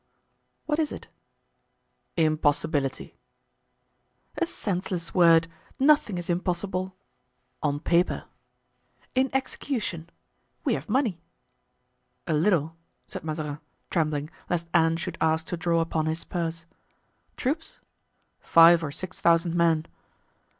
"What is it?" "Impossibility." "A senseless word. Nothing is impossible." "On paper." "In execution. We have money?" "A little," said Mazarin, trembling, lest Anne should ask to draw upon his purse. "Troops?" "Five or six thousand men."